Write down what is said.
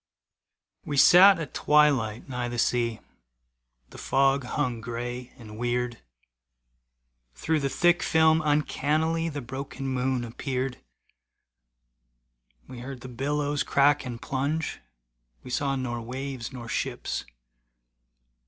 We sat at twilight nigh the sea, The fog hung gray and weird. Through the thick film uncannily The broken moon appeared. We heard the billows crack and plunge, We saw nor waves nor ships.